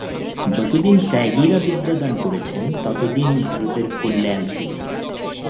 যতদিন ত্যাগীরা বিদ্যাদান করেছেন, ততদিন ভারতের কল্যাণ ছিল।